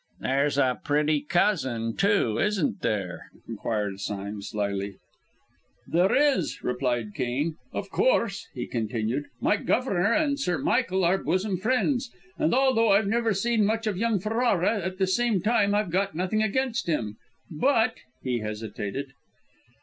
"There's a pretty cousin, too, isn't there?" inquired Sime slyly. "There is," replied Cairn. "Of course," he continued, "my governor and Sir Michael are bosom friends, and although I've never seen much of young Ferrara, at the same time I've got nothing against him. But " he hesitated.